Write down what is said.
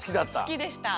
すきでした。